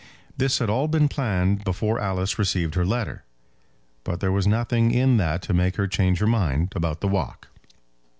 This had all been planned before Alice received her letter; but there was nothing in that to make her change her mind about the walk.